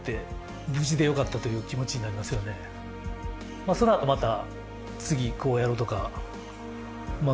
まあその後また。